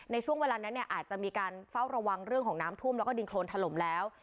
ในช่วงเวลานั้นเนี่ยอาจจะมีการเฝ้าระวังเรื่องของน้ำท่วมแล้วก็ดินโครนถล่มแล้ว